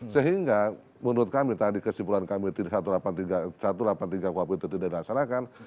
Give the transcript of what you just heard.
sehingga menurut kami tadi kesimpulan kami satu ratus delapan puluh tiga kuap itu tidak dilaksanakan